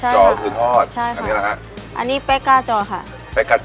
จอคือทอดใช่ค่ะอันนี้อะไรฮะอันนี้เป๊ะกาจอค่ะเป๊ะกาจอ